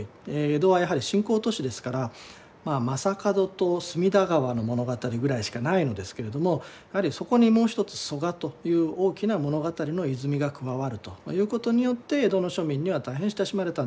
江戸はやはり新興都市ですから将門と隅田川の物語ぐらいしかないのですけれどもやはりそこにもう一つ曽我という大きな物語の泉が加わるということによって江戸の庶民には大変親しまれたんではないかと思います。